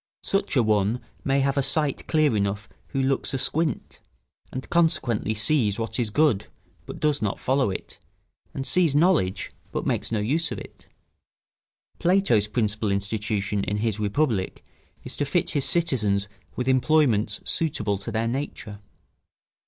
Such a one may have a sight clear enough who looks asquint, and consequently sees what is good, but does not follow it, and sees knowledge, but makes no use of it. Plato's principal institution in his Republic is to fit his citizens with employments suitable to their nature.